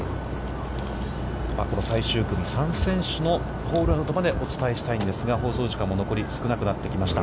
この最終組、３選手のホールアウトまでお伝えしたいですが、放送時間も残り少なくなってきました。